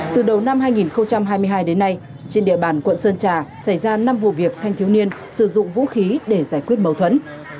từ đầu năm hai nghìn hai mươi hai đến nay trên địa bàn quận sơn trà xảy ra năm vụ việc thanh thiếu niên sử dụng vũ khí để giải quyết mâu thuẫn